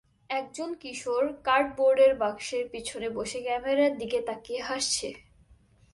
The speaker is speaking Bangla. একজন কিশোর কার্ডবোর্ডের বাক্সের পিছনে বসে ক্যামেরার দিকে তাকিয়ে হাসছে।